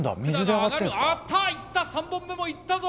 上がったいった３本目もいったぞ。